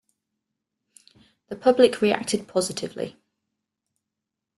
The public reacted positively.